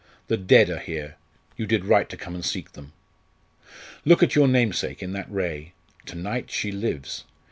The dead are here; you did right to come and seek them! Look at your namesake, in that ray. To night she lives!